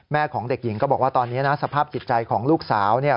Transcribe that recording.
ของเด็กหญิงก็บอกว่าตอนนี้นะสภาพจิตใจของลูกสาวเนี่ย